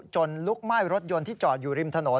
ลุกไหม้รถยนต์ที่จอดอยู่ริมถนน